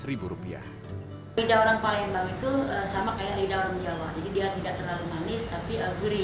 rida orang palembang itu sama kaya rida orang jawa jadi dia tidak terlalu manis tapi gurih